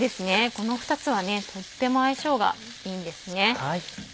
この２つはとっても相性がいいんですね。